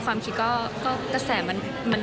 เขาไปเช็คกัน